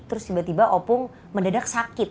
terus tiba tiba opung mendadak sakit